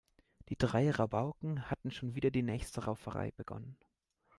Die drei Rabauken hatten schon wieder die nächste Rauferei begonnen.